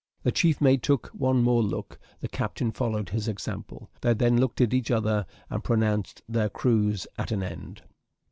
The chief mate took one more look the captain followed his example; they then looked at each other, and pronounced their cruise at an end.